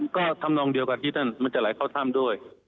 ก็ทำนองเดียวกับที่ท่านมันจะไหลเข้าถ้ำด้วย